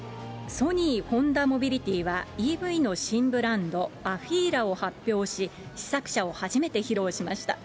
ソニー・ホンダモビリティはＥＶの新ブランド、アフィーラを発表し、試作車を初めて披露しました。